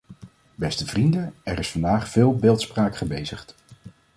Beste vrienden, er is vandaag veel beeldspraak gebezigd.